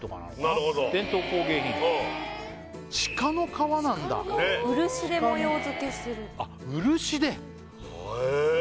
なるほど伝統工芸品鹿の革なんだ漆で模様付けしてるあっ漆でへえ